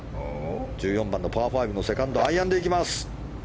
１４番のパー５のセカンドアイアンで行きます。